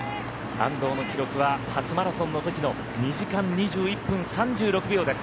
安藤の記録は初マラソンの時の２時間２１分３６秒です。